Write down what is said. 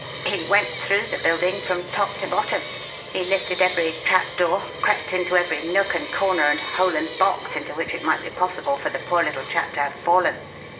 He went through the building from top to bottom; he lifted every trapdoor, crept into every nook and corner and hole and box into which it might be possible for the poor little chap to have fallen.